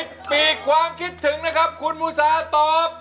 ปีกความคิดถึงนะครับคุณมูซาตอบ